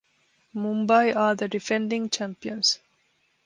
Mumbai are the defending champions.